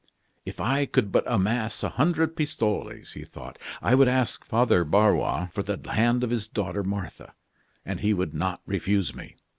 "If I could but amass a hundred pistoles," he thought, "I would ask Father Barrois for the hand of his daughter Martha; and he would not refuse me."